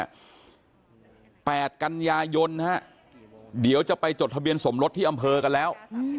แปดกันยายนฮะเดี๋ยวจะไปจดทะเบียนสมรสที่อำเภอกันแล้ว